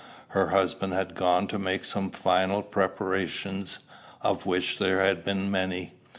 Her husband had gone to make some final preparations, of which there had been many.